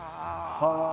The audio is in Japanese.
はあ。